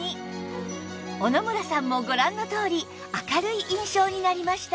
小野村さんもご覧のとおり明るい印象になりました